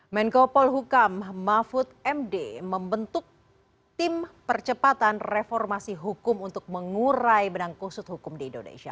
menko polhukam mahfud md membentuk tim percepatan reformasi hukum untuk mengurai benang kusut hukum di indonesia